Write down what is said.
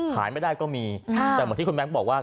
ขายไม่ได้ก็มีแต่เหมือนที่คุณแบงค์บอกว่า